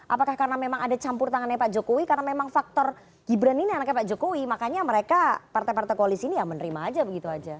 apakah karena memang ada campur tangannya pak jokowi karena memang faktor gibran ini anaknya pak jokowi makanya mereka partai partai koalisi ini ya menerima aja begitu aja